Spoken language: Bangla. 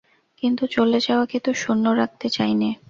কিন্তু চলে যাওয়াকে তো শূন্য রাখতে চাই নে।